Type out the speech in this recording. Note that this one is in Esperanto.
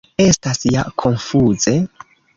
Estas ja konfuze.